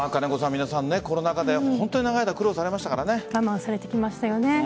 皆さん、コロナ禍で本当に我慢されてきましたよね。